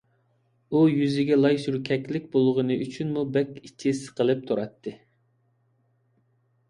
ئۇ يۈزىگە لاي سۈركەكلىك بولغىنى ئۈچۈنمۇ بەك ئىچى سىقىلىپ تۇراتتى.